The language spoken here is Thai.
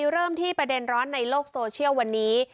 เริ่มที่ประเด็นร้อนในโลกโซเชียลวันนี้